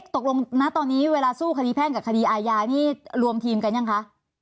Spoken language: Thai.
ตกลงณตอนนี้เวลาสู้คดีแพ่งกับคดีอาญานี่รวมทีมกันยังคะ